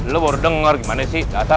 lo baru denger gimana sih gak tau